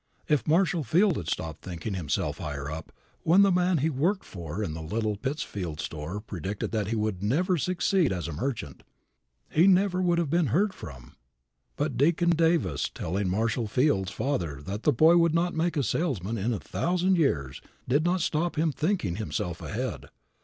If Marshall Field had stopped thinking himself higher up when the man he worked for in the little Pittsfield store predicted that he never would succeed as a merchant, he never would have been heard from. But Deacon Davis's telling Marshall Field's father that the boy would not make a salesman in a thousand years did not stop him thinking himself ahead.